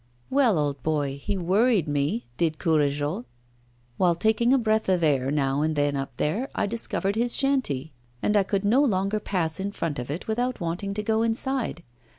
Well, old boy, he worried me, did Courajod. While taking a breath of air now and then up there, I discovered his shanty, and I could no longer pass in front of it without wanting to go inside.